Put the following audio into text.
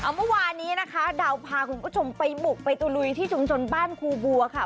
เมื่อวานนี้นะคะดาวพาคุณผู้ชมไปบุกไปตุลุยที่ชุมชนบ้านครูบัวค่ะ